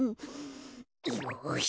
よし。